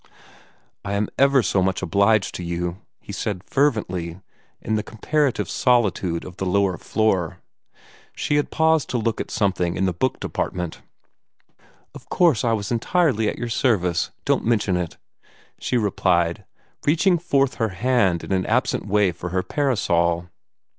"I am ever so much obliged to you," he said fervently, in the comparative solitude of the lower floor. She had paused to look at something in the book department. "Of course I was entirely at your service; don't mention it," she replied, reaching forth her hand in an absent way for her parasol.